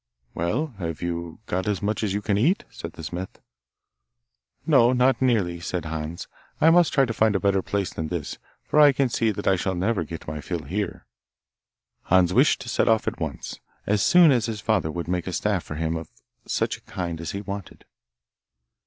'Well, have you got as much as you can eat?' said the smith. 'No, not nearly,' said Hans; 'I must try to find a better place than this, for I can see that I shall never get my fill here.' Hans wished to set off at once, as soon as his father would make a staff for him of such a kind as he wanted.